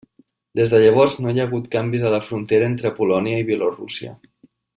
Des de llavors no hi ha hagut canvis a la frontera entre Polònia i Bielorússia.